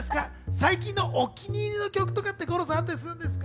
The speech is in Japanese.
最近のお気に入りの曲ってあったりするんですか？